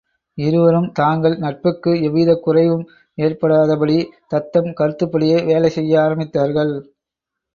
இருவரும் தாங்கள் நட்புக்கு எவ்விதக் குறைவும ஏறபடாதபடி தத்தம் கருத்துப்படியே வேலைசெய்ய ஆரம்பித்தார்ர்கள்.